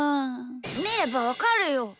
みればわかるよ！